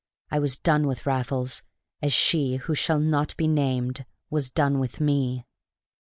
I was done with Raffles, as she who shall not be named was done with me.